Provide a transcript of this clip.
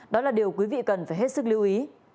đó là điều quý vị cần phải hết sức lưu ý